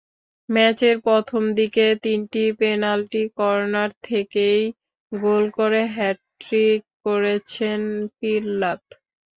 ম্যাচের প্রথম দিকে তিনটি পেনাল্টি কর্নার থেকেই গোল করে হ্যাটট্রিক করেছেন পিল্লাত।